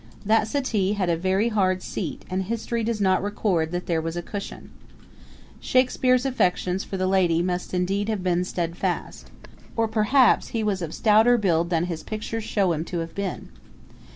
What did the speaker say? That settle had a very hard seat and history does not record that there was a cushion. Shakspere's affections for the lady must indeed have been steadfast. Or perhaps he was of stouter build than his pictures show him to have been.